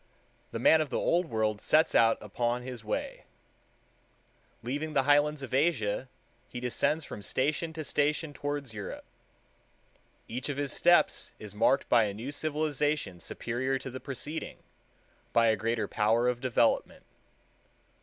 The man of the Old World sets out upon his way. Leaving the highlands of Asia, he descends from station to station towards Europe. Each of his steps is marked by a new civilization superior to the preceding, by a greater power of development.